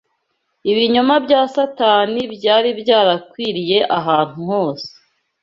Ibinyoma bya Satani byari byarakwiriye ahantu hose